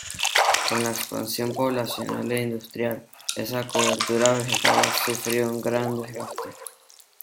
Con la expansión poblacional e industrial esa cobertura vegetal ha sufrido un gran desgaste.